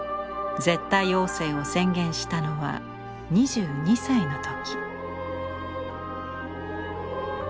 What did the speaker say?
絶対王政を宣言したのは２２歳の時。